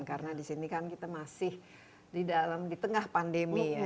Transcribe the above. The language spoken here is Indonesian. karena di sini kan kita masih di dalam di tengah pandemi ya